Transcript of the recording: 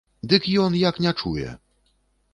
Дык ён як не чуе!